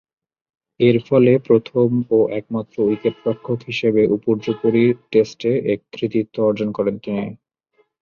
এরফলে প্রথম ও একমাত্র উইকেট-রক্ষক হিসেবে উপর্যুপরি টেস্টে এ কৃতিত্ব অর্জন করেন তিনি।